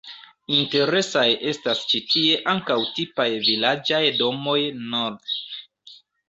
Interesaj estas ĉi tie ankaŭ tipaj vilaĝaj domoj nr.